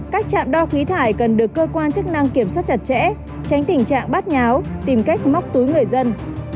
cách chạm đo khí thải cần được cơ quan chức năng kiểm soát chặt chẽ tránh tình trạng bắt nháo tìm cách móc túi người dân